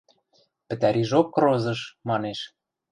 Пӹтӓрижок крозыш, манеш: